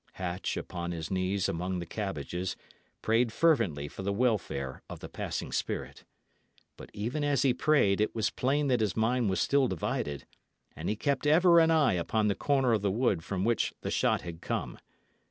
Hatch, upon his knees among the cabbages, prayed fervently for the welfare of the passing spirit. But even as he prayed, it was plain that his mind was still divided, and he kept ever an eye upon the corner of the wood from which the shot had come.